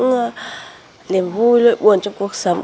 niềm vui lợi buồn trong cuộc sống